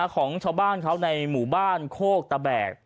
ของชาวบ้านเขาในหมู่บ้านโคกตะแบก